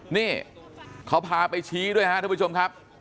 นี่เขาพาไปชี้ด้วยฮะทุกผู้ชมครับ